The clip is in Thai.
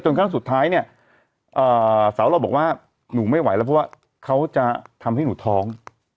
ครั้งสุดท้ายเนี่ยสาวเราบอกว่าหนูไม่ไหวแล้วเพราะว่าเขาจะทำให้หนูท้อง